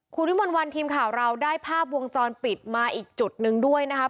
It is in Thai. คุณวิมลวันทีมข่าวเราได้ภาพวงจรปิดมาอีกจุดหนึ่งด้วยนะครับ